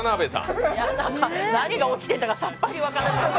何が起きてんだかさっぱり分からない。